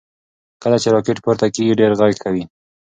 کله چې راکټ پورته کیږي ډېر غږ کوي.